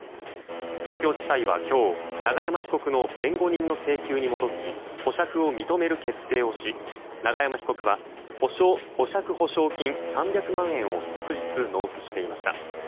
東京地裁は今日永山被告の弁護人の請求に基づき保釈を認める決定をし永山被告は保釈保証金３００万円を即日納付していました。